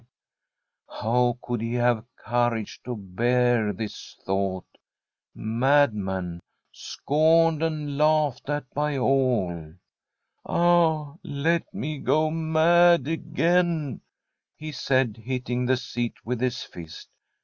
' How could he have cour age to bear this thought — a madman, scorned* and laughed at by all r ' Ah I let me go mad again I ' he said, hitting the seat with his fist.